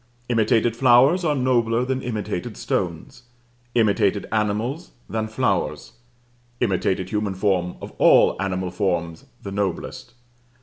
Imitated flowers are nobler than imitated stones, imitated animals, than flowers; imitated human form of all animal forms the noblest.